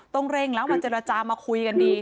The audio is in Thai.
ต้องเร่งแล้วมาเจรจามาคุยกันดี